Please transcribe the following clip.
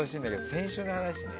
先週の話ね。